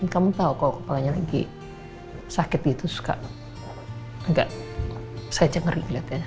kamu tahu kalau kepalanya lagi sakit gitu suka enggak saya aja ngeri lihatnya